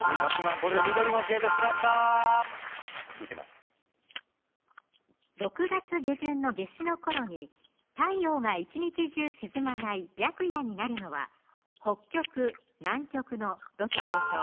これで緑も消えてしまった続けます６月下旬の夏至の頃に太陽が一日中沈まない白夜になるのは北極・南極のどちらでしょう